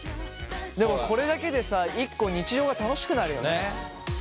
でもこれだけでさ一個日常が楽しくなるよね。